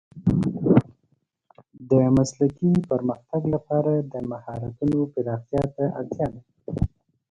د مسلکي پرمختګ لپاره د مهارتونو پراختیا ته اړتیا ده.